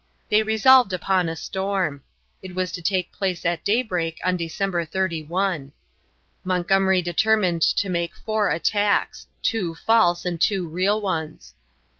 They resolved upon a storm. It was to take place at daybreak on December 31. Montgomery determined to make four attacks two false and two real ones.